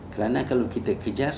karena kalau kita kejar